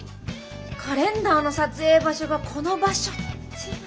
カレンダーの撮影場所がこの場所っていうのは。